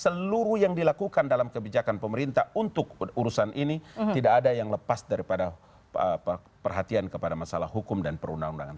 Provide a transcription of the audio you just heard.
seluruh yang dilakukan dalam kebijakan pemerintah untuk urusan ini tidak ada yang lepas daripada perhatian kepada masalah hukum dan perundang undangan